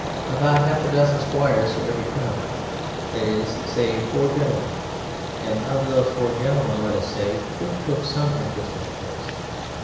About half a dozen squires to every town, that is (say) four gentlemen, and of those four gentlemen let us say two took some interest in the place.